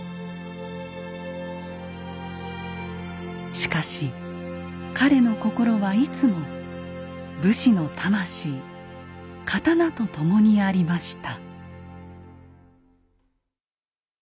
しかし彼の心はいつも武士の魂刀とともにありました。